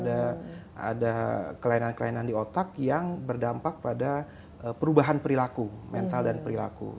ada kelainan kelainan di otak yang berdampak pada perubahan perilaku mental dan perilaku